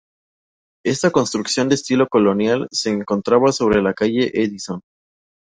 Esta construcción de estilo colonial se encontraba sobre la calle Edison.